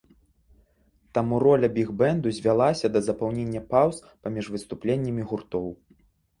Таму роля біг-бэнду звялася да запаўнення паўз паміж выступленнямі гуртоў.